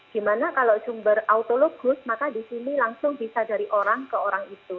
gimana kalau sumber autologus maka di sini langsung bisa dari orang ke orang itu